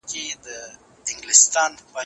ما يو ځل بيا موبايل خلاص کړ.